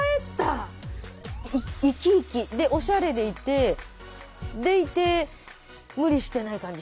生き生きでおしゃれでいてでいて無理してない感じ